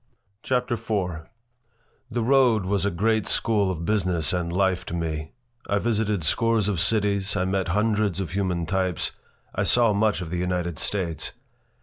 CHAPTER IV THE road was a great school of business and life to me. I visited scores of cities. I met hundreds of human types. I saw much of the United States.